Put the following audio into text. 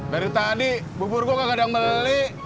baru tadi bubur gue nggak ada yang beli